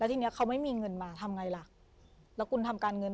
ทีเนี้ยเขาไม่มีเงินมาทำไงล่ะแล้วคุณทำการเงิน